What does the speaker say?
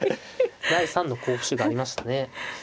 第３の候補手がありましたね。